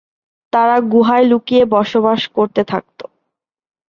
তারা গুহায় লুকিয়ে বসবাস করতো থাকতো।